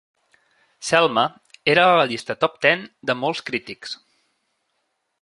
"Selma" era a la llista top ten de molts crítics.